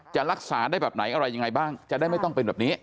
จะรักษาได้แบบไหนอะไรยังไงบ้างจะได้ไม่ต้องเป็นแบบนี้